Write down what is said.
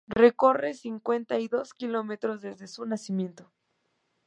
Recorre cincuenta y dos kilómetros desde su nacimiento.